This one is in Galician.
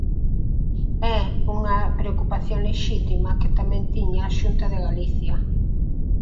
É unha preocupación lexítima que tamén tiña a Xunta de Galicia.